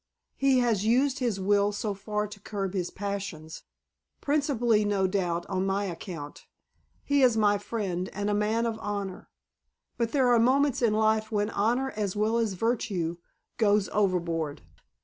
He has used his will so far to curb his passions, principally, no doubt, on my account; he is my friend and a man of honor. But there are moments in life when honor as well as virtue goes overboard."